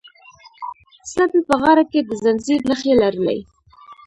سپي په غاړه کې د زنځیر نښې لرلې.